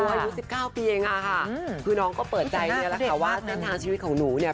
อายุ๑๙ปีเองอะค่ะคือน้องก็เปิดใจเนี่ยแหละค่ะว่าเส้นทางชีวิตของหนูเนี่ย